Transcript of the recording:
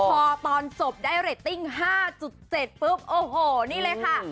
พอตอนจบได้เรตติ้ง๕๗ปุ๊บโอ้โหนี่เลยค่ะ